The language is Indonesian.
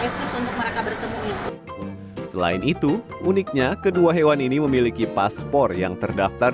untuk mereka bertemu selain itu uniknya kedua hewan ini memiliki paspor yang terdaftar